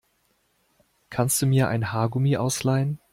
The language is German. Kannst du mir ein Haargummi ausleihen?